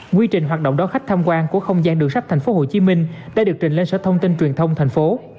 nguyên trình hoạt động đó khách tham quan của không gian đường sách thành phố hồ chí minh đã được trình lên sở thông tin truyền thông thành phố